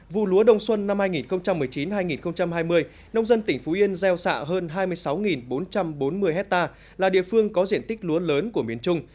vụ lúa đông xuân năm hai nghìn một mươi chín hai nghìn hai mươi nông dân tỉnh phú yên gieo xạ hơn hai mươi sáu bốn trăm bốn mươi hectare là địa phương có diện tích lúa lớn của miền trung